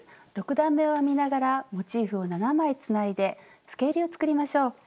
６段めを編みながらモチーフを７枚つないでつけえりを作りましょう。